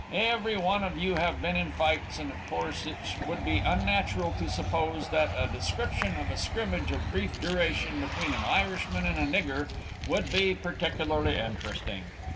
Every one of you have been in fights, and of course it would be unnatural to suppose that a description of a scrimmage of brief duration between an Irishman and a nigger would be particularly interesting.